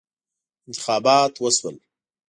انتخابات وشول.